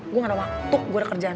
gue gak ada waktu gue ada kerjaan